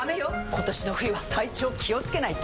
今年の冬は体調気をつけないと！